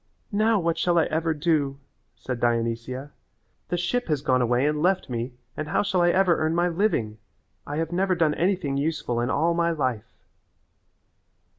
"Now what shall I ever do?" said Dionysia. "The ship has gone away and left me and how shall I ever earn my living? I have never done anything useful in all my life."